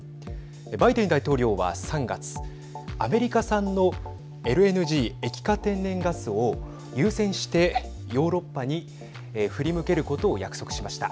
バイデン大統領は３月アメリカ産のＬＮＧ、液化天然ガスを優先してヨーロッパに振り向けることを約束しました。